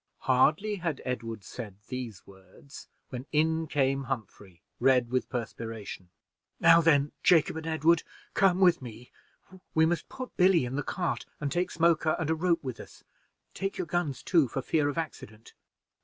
Hardly had Edward said these words when in came Humphrey, red with perspiration. "Now then, Jacob and Edward, come with me; we must put Billy in the cart, and take Smoker and a rope with us. Take your guns too, for fear of accident."